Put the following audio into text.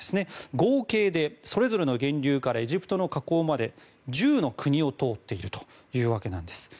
合計でそれぞれの源流からエジプトの河口まで１０の国を通っているというわけなんです。